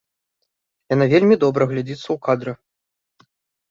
Яна вельмі добра глядзіцца ў кадры.